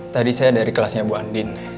tadi saya dari kelasnya bu andin